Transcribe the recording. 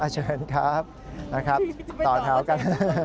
เชิญครับต่อเท้ากัน